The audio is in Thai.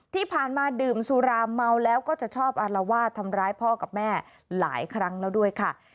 ที่ผ่านมาดื่มสุราเมาแล้วก็จะชอบอารวาสทำร้ายพ่อกับแม่หลายครั้งแล้วด้วยค่ะ